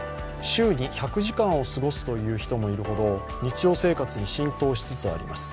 週に１００時間を過ごすという人もいるほど日常生活に浸透しつつあります。